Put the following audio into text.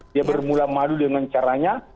dia bermula madu dengan caranya